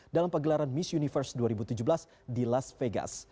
dalam pegelaran miss universe dua ribu tujuh belas di las vegas